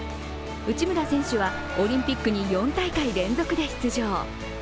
内村選手はオリンピックに４大会連続で出場。